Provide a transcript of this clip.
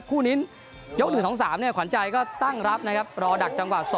คู่นิ้นยก๑๑๓ขวัญใจก็ตั้งรับรอดักจำกว่า๒